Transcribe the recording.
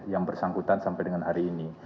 yang bersangkutan sampai dengan hari ini